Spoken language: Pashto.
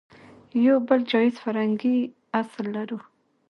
يو بل جايز فرهنګي اصل لرو